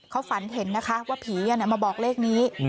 เขาฝันเห็นนะคะว่าผีมาบอกเลขนี้